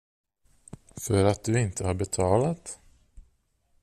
För att du inte har betalat?